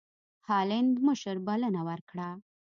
هالنډ مشر بلنه ورکړه.